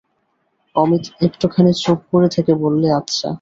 অমিত একটুখানি চুপ করে থেকে বললে, আচ্ছা।